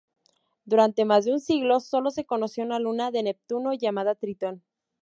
Durante más de un siglo sólo se conoció una luna de Neptuno, llamada Tritón.